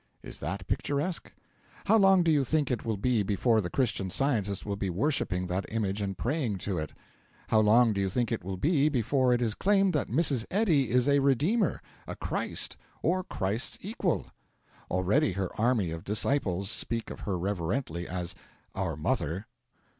Is that picturesque? How long do you think it will be before the Christian Scientist will be worshipping that image and praying to it? How long do you think it will be before it is claimed that Mrs. Eddy is a Redeemer, a Christ, or Christ's equal? Already her army of disciples speak of her reverently as 'Our Mother.'